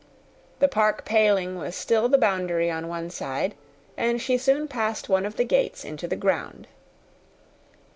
The park paling was still the boundary on one side, and she soon passed one of the gates into the ground.